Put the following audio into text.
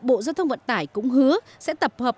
bộ giao thông vận tải cũng hứa sẽ tập hợp